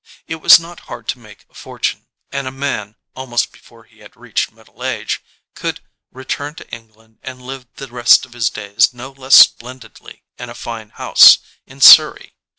It was not hard to make a fortune and a man, almost before he had reached middle age, could return to England and live the rest of his days no less splendidly in a fine house in Surrey.